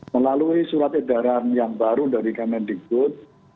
melalui surat edaran yang baru dari kemendik putri